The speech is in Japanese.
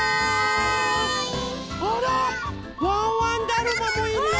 あらワンワンだるまもいるよ。